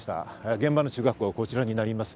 現場の中学校がこちらになります。